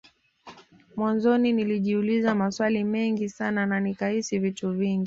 Mwanzoni nilijiuliza maswali mengi sana na nikahisi vitu vingi